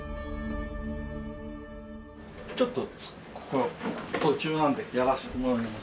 ちょっとここ途中なんでやらせてもらいます。